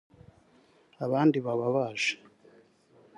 abandi baba baje